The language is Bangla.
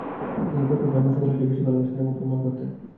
তিনি পৌত্রকে অন্য সকলের চেয়ে বেশি ভালোবাসতেন এবং সম্মান করতেন।